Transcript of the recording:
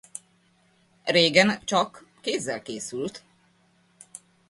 Régen csak kézzel készült.